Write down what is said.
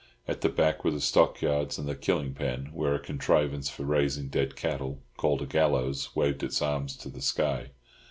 At the back were the stockyards and the killing pen, where a contrivance for raising dead cattle—called a gallows—waved its arms to the sky.